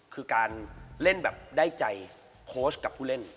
คือการเล่นแบบได้ใจโค้ชกับผู้เล่น